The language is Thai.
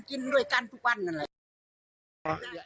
กินด้วยกันทุกวันนั่นแหละ